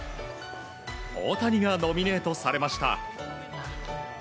大谷がノミネートされました。